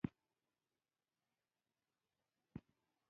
د بېړۍ چلونې او نورو اصلاحاتو کې څرګنده ده.